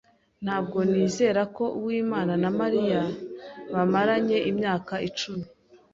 Ntabwo nizera ko Uwimana na Mariya bamaranye imyaka icumi.